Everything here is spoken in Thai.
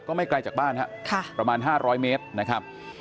ก็ไม่ไกลจากบ้านครับค่ะประมาณห้าร้อยเมตรนะครับ